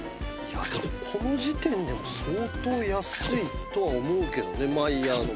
この時点でも相当安いとは思うけどねマイヤーのものが。